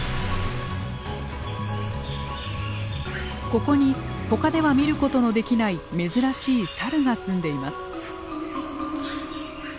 ここにほかでは見ることのできない珍しいサルが住んでいます。